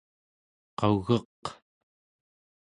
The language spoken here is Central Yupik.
qau͡geq